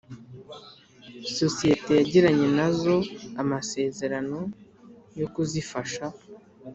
sosiyete yagiranye na zo amasezerano yo kuzifasha